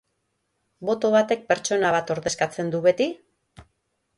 Boto batek pertsona bat ordezkatzen du beti?